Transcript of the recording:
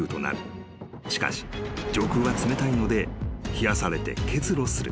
［しかし上空は冷たいので冷やされて結露する］